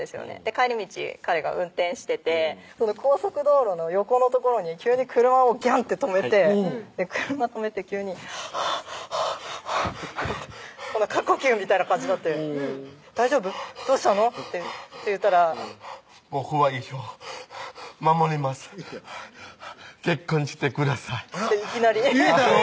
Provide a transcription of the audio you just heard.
帰り道彼が運転してて高速道路の横の所に急に車をぎゃんって止めて車止めて急に「ハァハァハァ」「ハァハァハァ」過呼吸みたいな感じになって「大丈夫？どうしたの？」って言ったら「僕は一生ハァハァ守りますハァハァ」「結婚してください」っていきなり言えたの？